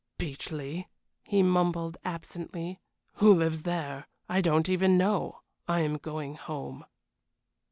"Beechleigh!" he mumbled, absently. "Who lives there? I don't even know. I am going home."